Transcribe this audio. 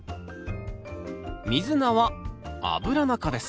ミズナはアブラナ科です